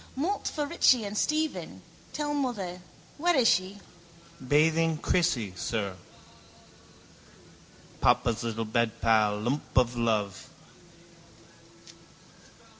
—Malt for Richie and Stephen, tell mother. Where is she? —Bathing Crissie, sir. Papa's little bedpal. Lump of love.